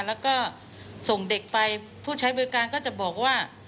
แล้วก็ส่งเด็กไปผู้ใช้บริการก็จะบอกว่า